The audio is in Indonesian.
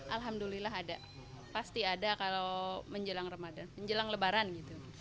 alhamdulillah ada pasti ada kalau menjelang ramadan menjelang lebaran gitu